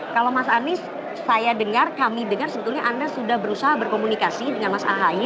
kalau mas anies saya dengar kami dengar sebetulnya anda sudah berusaha berkomunikasi dengan mas ahaye